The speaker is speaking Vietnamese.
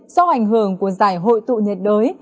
do ảnh hưởng của giải hội tụ nhiệt đới